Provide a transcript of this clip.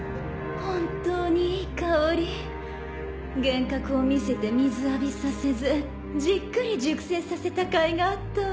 幻覚を見せて水浴びさせずじっくり熟成させたかいがあったわ。